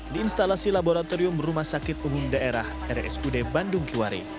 di instalasi laboratorium rumah sakit umum daerah rsud bandung kiwari